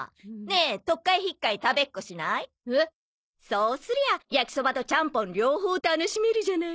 そうすりゃあ焼きそばとちゃんぽん両方楽しめるじゃない。